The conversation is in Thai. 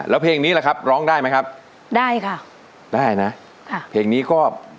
แล้วเพลงนี้ล่ะครับร้องได้ไหมครับได้ค่ะได้นะค่ะเพลงนี้ก็